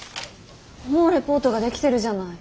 もうレポートができてるじゃない。